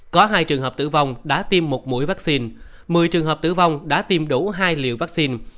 có hai trường hợp tử vong đã tiêm một mũi vaccine một mươi trường hợp tử vong đã tiêm đủ hai liều vaccine